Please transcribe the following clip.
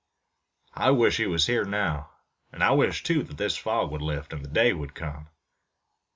"I wish he was here now, and I wish, too, that this fog would lift, and the day would come.